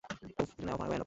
উঃ এটা ভয়ানক।